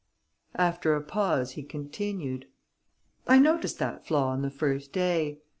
After a pause he continued: "I noticed that flaw on the first day.